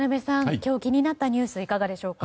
今日気になったニュースいかがでしょうか。